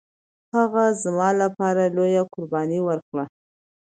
هغه زما لپاره لويه قرباني ورکړه